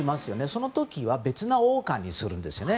その時は別の王冠にするんですね。